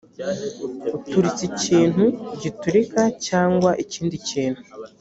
uturitsa ikintu giturika cyangwa ikindi kintu